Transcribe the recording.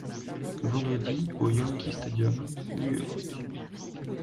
Vendredi au Yankee Stadium, New York.